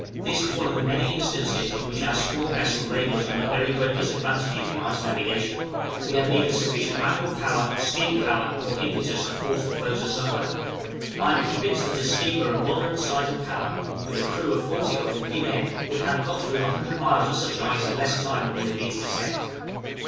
This is one of the many instances in which our small vessel labors under very great disadvantages in ice navigation we have neither sufficient manual power, steam power, nor impetus to force the floes asunder. I am convinced that a steamer of moderate size and power, with a crew of forty or fifty men, would have got through a hundred miles of such ice in less time than we have been beset.